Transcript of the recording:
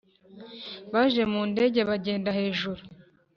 Baje mu ndege, bagenda hejuru,